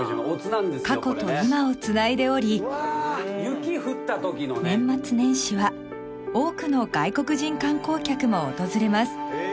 ［過去と今をつないでおり年末年始は多くの外国人観光客も訪れます］